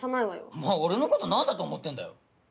お前俺のこと何だと思ってんだよ